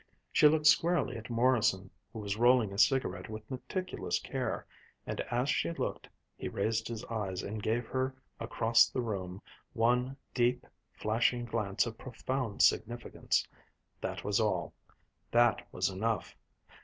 She looked squarely at Morrison, who was rolling a cigarette with meticulous care, and as she looked, he raised his eyes and gave her across the room one deep, flashing glance of profound significance. That was all. That was enough.